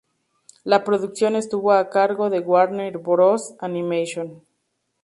La producción estuvo a cargo de Warner Bros Animation.